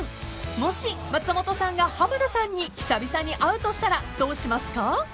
［もし松本さんが浜田さんに久々に会うとしたらどうしますか？］